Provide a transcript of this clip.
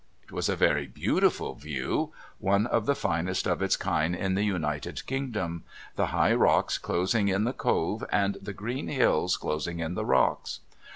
It was a very beautiful view one of the finest of its kind in the United Kingdom, the high rocks closing in the Cove and the green hills closing in the rocks.